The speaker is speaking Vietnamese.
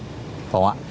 phải không ạ